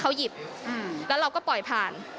เขาหยิบแล้วเราก็ปล่อยผ่าน